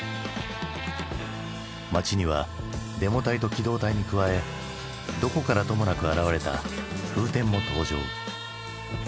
街にはデモ隊と機動隊に加えどこからともなく現れた「フーテン」も登場。